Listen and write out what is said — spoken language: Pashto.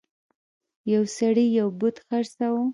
یو سړي یو بت خرڅاوه.